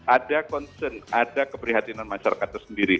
ada concern ada keprihatinan masyarakat itu sendiri